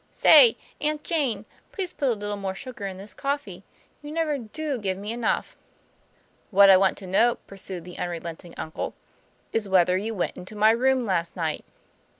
" Say, Aunt Jane, please put a little more sugar in this coffee. You never do give me enough." "What I want to know," pursued the unrelenting uncle," is, whether you went into my room last night."